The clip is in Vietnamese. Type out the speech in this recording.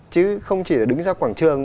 chứ không chỉ đứng ra quảng trường